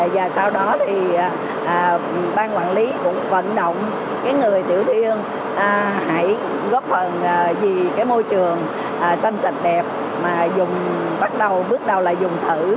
và sau đó thì ban quản lý cũng vận động người tiểu thương hãy góp phần vì cái môi trường xanh sạch đẹp mà dùng bắt đầu bước đầu là dùng thử